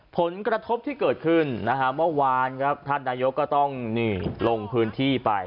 ผลกระทบที่เกิดขึ้นนะฮะเมื่อวานครับท่านนายกก็ต้องลงพื้นที่ไป